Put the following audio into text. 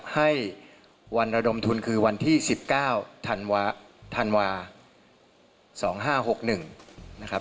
ให้วันระดมทุนคือวันที่๑๙ธันวา๒๕๖๑นะครับ